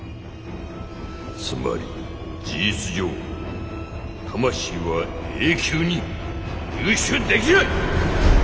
つまり事実上魂は永久に入手できない！